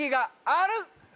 ある！